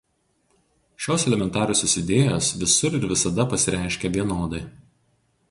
Šios elementariosios idėjos visur ir visada pasireiškia vienodai.